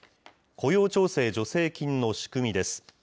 雇用調整助成金の仕組みです。